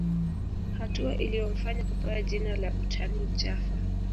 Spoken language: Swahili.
Hatua iliyomfanya kupewa jina la utani Jaffa